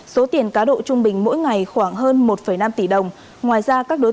số tiền cá độ trung bình mỗi ngày khoảng hơn một năm tỷ đồng